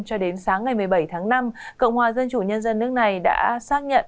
cho đến sáng ngày một mươi bảy tháng năm cộng hòa dân chủ nhân dân nước này đã xác nhận